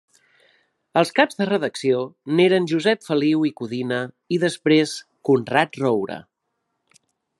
Els caps de redacció n'eren Josep Feliu i Codina i després Conrad Roure.